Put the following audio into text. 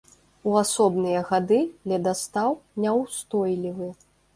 У асобныя гады ледастаў няўстойлівы.